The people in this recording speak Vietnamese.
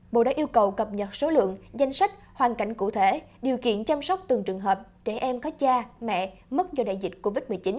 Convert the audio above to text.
bộ đã yêu cầu cập nhật số lượng danh sách hoàn cảnh cụ thể điều kiện chăm sóc từng trường hợp trẻ em có cha mẹ mất do đại dịch covid một mươi chín